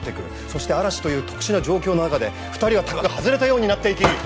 そして嵐という特殊な状況の中で２人はたがが外れたようになっていき。